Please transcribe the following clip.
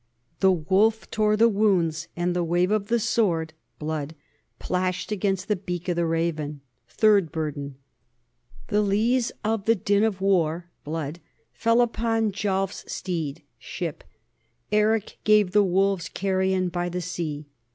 The wolf tore the wounds, and the wave of the sword [blood] plashed against the beak of the raven. Third Burden: The lees of the din of war [blood] fell upon Gialf 's steed [ship] : Eric gave the wolves carrion by the sea.